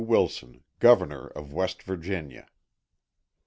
Wilson, Governor of West Virginia.